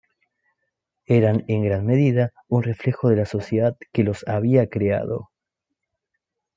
Eran en gran medida un reflejo de la sociedad que los había creado.